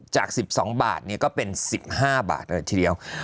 จาก๑๒บาทก็เป็น๑๕บาทเลยทีเดียว